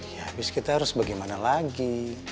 ya habis kita harus bagaimana lagi